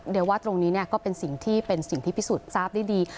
เดี๋ยวว่าตรงนี้ก็เป็นสิ่งที่พิสูจน์ทราบดี